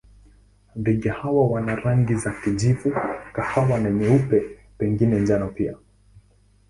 Ndege hawa wana rangi za kijivu, kahawa na nyeupe, pengine njano pia.